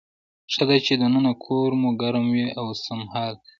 ښه ده چې دننه کور مو ګرم وي اوسمهال.